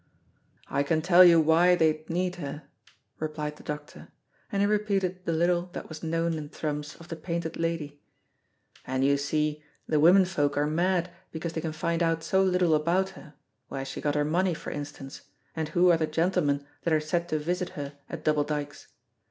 "I can tell you why they t'nead her," replied the doctor, and he repeated the little that was known in Thrums of the Painted Lady, "And you see the womenfolk are mad because they can find out so little about her, where she got her money, for instance, and who are the 'gentlemen' that are said to visit her at Double Dykes.